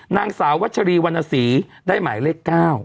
นางสาววัชรีวรรณสีได้หมายเลข๙